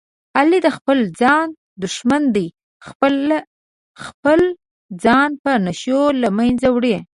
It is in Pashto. علي د خپل ځان دښمن دی، خپله خپل ځان په نشو له منځه وړي.